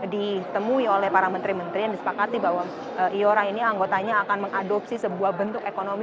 ditemui oleh para menteri menteri yang disepakati bahwa iora ini anggotanya akan mengadopsi sebuah bentuk ekonomi